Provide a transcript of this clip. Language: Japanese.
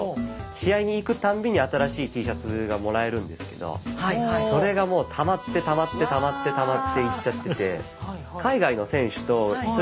試合に行くたんびに新しいＴシャツがもらえるんですけどそれがもうたまってたまってたまってたまっていっちゃってて。